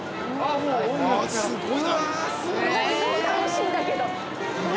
◆もう楽しいんだけど。